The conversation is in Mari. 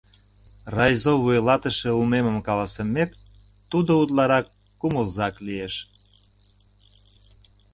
Райзо вуйлатыше улмемым каласымек, тудо утларак кумылзак лиеш.